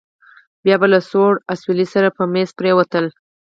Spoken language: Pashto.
بيا به له سوړ اسويلي سره په مېز پرېوتله.